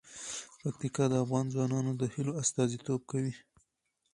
پکتیکا د افغان ځوانانو د هیلو استازیتوب کوي.